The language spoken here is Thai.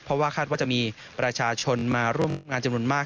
เพราะว่าคาดว่าจะมีประชาชนมาร่วมงานจำนวนมาก